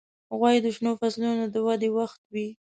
غویی د شنو فصلونو د ودې وخت وي.